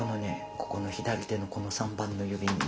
ここの左手のこの３番の指にね